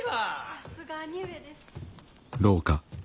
さすが兄上です。